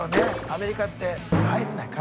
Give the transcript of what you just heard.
アメリカって。